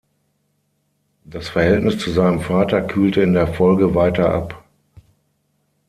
Das Verhältnis zu seinem Vater kühlte in der Folge weiter ab.